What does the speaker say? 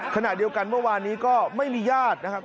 ขณะเดียวกันเมื่อวานนี้ก็ไม่มีญาตินะครับ